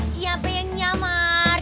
siapa yang nyamar